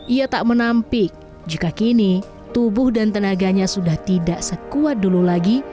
ia tak menampik jika kini tubuh dan tenaganya sudah tidak sekuat dulu lagi